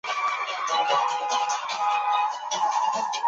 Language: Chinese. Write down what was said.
浓烈的苗族风情令人陶醉。